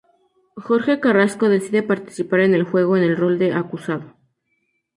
Jorge Carrasco decide participar en el juego, en el rol de acusado.